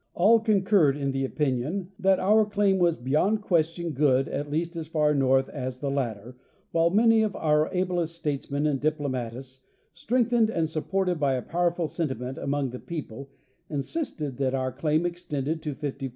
All concurred in the opinion that our claim was beyond question good at least as far north as the latter, while many of our ablest statesmen and diplomat ists, strengthened and supported by a powerful sentiment among the people, insisted that our claim extended to 54° 40'.